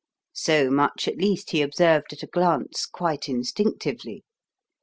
So much at least he observed at a glance quite instinctively.